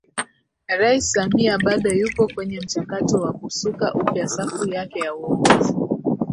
Rais Samia bado yupo kwenye mchakato wa kusuka upya safu yake ya uongozi